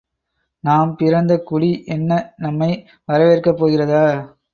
நாம் பிறந்த குடி என்ன நம்மை வரவேற்கப்போகிறதா?